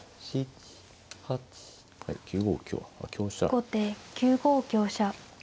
後手９五香車。